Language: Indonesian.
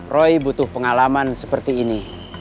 roy butuh pengalaman seperti ini